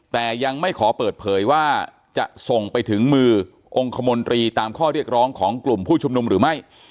แต่ยังไม่ขอเปิดเผยว่าจะส่งไปถึงมือองค์คมนตรีตามข้อเรียกร้องของกลุ่มผู้ชุมนุมหรือไม่